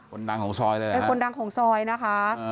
คนดังของซอยเลยเป็นคนดังของซอยนะคะ